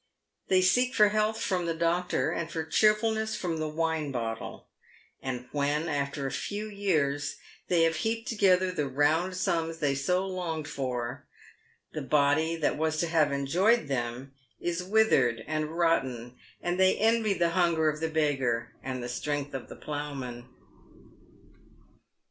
They seek for health from the doctor and for cheerfulness from the wine bottle ; and when, after a few years, they have heaped together the round sums they so longed for, the body that was to have enjoyed them is withered and rotten, and they envy the hunger of the beggar and the strength of the ploughman.